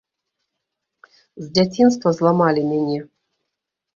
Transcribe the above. З дзяцінства зламалі мяне.